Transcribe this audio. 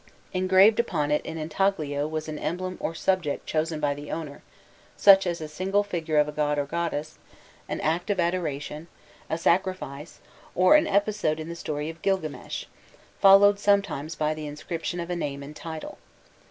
Engraved upon it in intaglio was an emblem or subject chosen by the owner, such as the single figure of a god or goddess, an act of adoration, a sacrifice, or an episode in the story of Gilgames, followed sometimes by the inscription of a name and title.